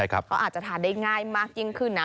เขาอาจจะทานได้ง่ายมากยิ่งขึ้นนะ